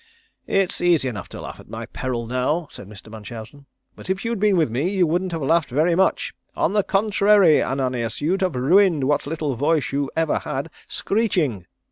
"It's easy enough to laugh at my peril now," said Mr. Munchausen, "but if you'd been with me you wouldn't have laughed very much. On the contrary, Ananias, you'd have ruined what little voice you ever had screeching."